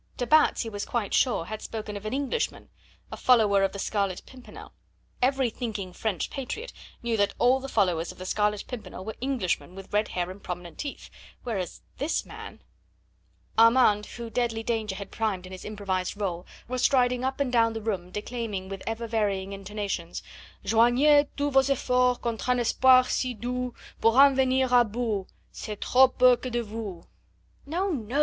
De Batz he was quite sure had spoken of an Englishman, a follower of the Scarlet Pimpernel; every thinking French patriot knew that all the followers of the Scarlet Pimpernel were Englishmen with red hair and prominent teeth, whereas this man.... Armand who deadly danger had primed in his improvised role was striding up and down the room declaiming with ever varying intonations: "Joignez tous vos efforts contre un espoir si doux Pour en venir a bout, c'est trop peu que de vous." "No! no!"